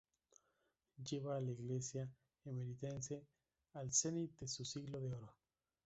Lleva a la Iglesia emeritense al cenit de su siglo de oro.